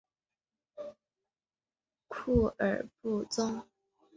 库尔布宗。